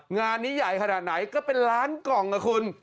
งานนี้ใหญ่ขนาดไหนก็เป็นล้านกล่องนะคุณ